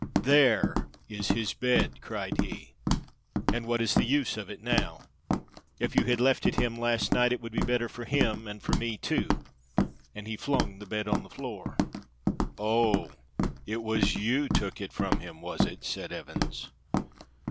"There is his bed," cried he, "and what is the use of it now? If you had left it him last night it would be better for him and for me, too," and he flung the bed on the floor. "Oh! it was you took it from him, was it?" said Evans.